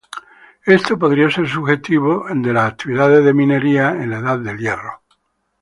Esto podría ser sugestivo de las actividades de minería en la Edad del Hierro.